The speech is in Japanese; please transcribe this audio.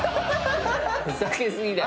ふざけ過ぎだよ。